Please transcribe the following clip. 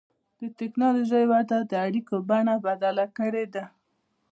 د ټکنالوجۍ وده د اړیکو بڼه بدله کړې ده.